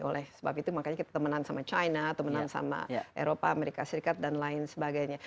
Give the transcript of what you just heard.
oleh sebab itu makanya kita temenan sama china temanan sama eropa amerika serikat dan lain sebagainya